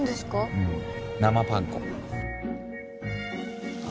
うん生パン粉あ